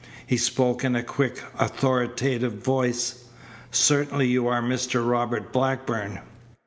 He spoke in a quick, authoritative voice: "Certainly you are Mr. Robert Blackburn?"